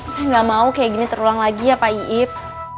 saya nggak mau kayak gini terulang lagi ya pak iiib